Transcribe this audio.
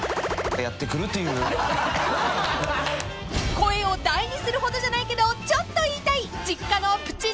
［声を大にするほどじゃないけどちょっと言いたい］